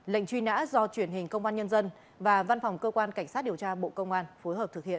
lệnh truy nã do truyền hình công an nhân dân và văn phòng cơ quan cảnh sát điều tra bộ công an phối hợp thực hiện